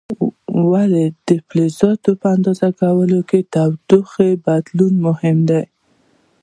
ولې د فلزاتو په اندازه کولو کې د تودوخې بدلون مهم دی؟